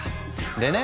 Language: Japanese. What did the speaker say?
でね